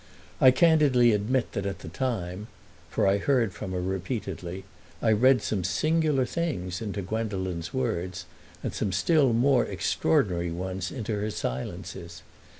I candidly admit indeed that at the time—for I heard from her repeatedly—I read some singular things into Gwendolen's words and some still more extraordinary ones into her silences.